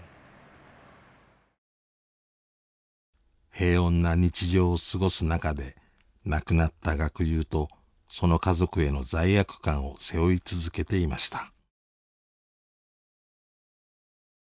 平穏な日常を過ごす中で亡くなった学友とその家族への罪悪感を背負い続けていました。